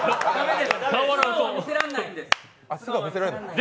素顔見せられないんです。